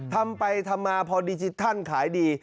ทำไปทำมาพอดิจิทัลขายดี